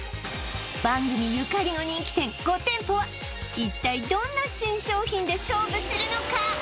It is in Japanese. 番組ゆかりの人気店５店舗は一体どんな新商品で勝負するのか？